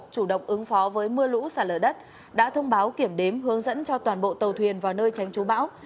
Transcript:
chủ động ứng phó với mưa lũ xả lở đất đã thông báo kiểm đếm hướng dẫn cho toàn bộ tàu thuyền vào nơi tránh chú bão